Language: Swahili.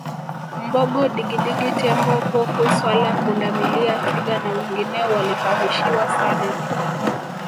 mbogo digidigi tembo pofu swala pundamilia twiga na wengineo walihamishiwa saanane